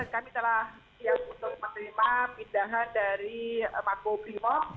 kami telah siap untuk menerima pindahan dari mako brimob